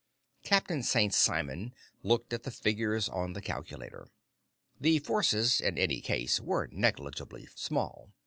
Captain St. Simon looked at the figures on the calculator. The forces, in any case, were negligibly small.